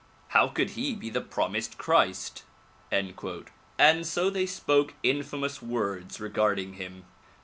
How could he be the promised Christ f '' And so they spoke infamous words regarding him.